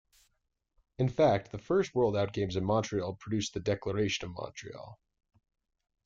In fact, the first worldOutgames in Montreal produced the Declaration of Montreal.